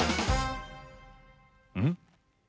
うん？